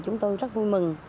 chúng tôi rất vui mừng